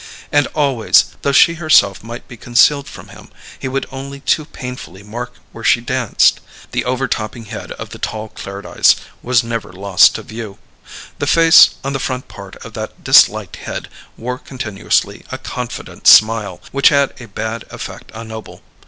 And always, though she herself might be concealed from him, he could only too painfully mark where she danced: the overtopping head of the tall Clairdyce was never lost to view. The face on the front part of that disliked head wore continuously a confident smile, which had a bad effect on Noble.